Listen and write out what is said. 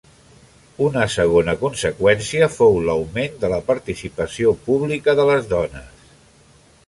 Una segona conseqüència fou l'augment de la participació pública de les dones.